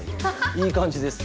いいかんじです。